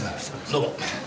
どうも。